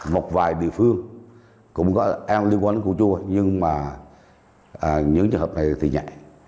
một vài địa phương cũng có an liên quan đến cua chua nhưng mà những trường hợp này thì nhẹ